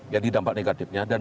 jadi dampak negatifnya dan